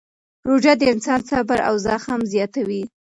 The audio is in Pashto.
روژه د انسان صبر او زغم زیاتوي.